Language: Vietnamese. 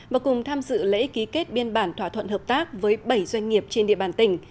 và cùng tham dự lễ ký kết biên bản thỏa thuận hợp tác với bảy doanh nghiệp trên địa bàn tỉnh